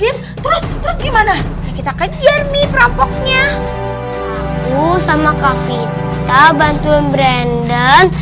hai walaupun terus terus gimana kita kejar nih perampoknya aku sama kak vita bantuin brandon